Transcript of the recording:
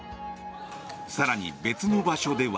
更に、別の場所では。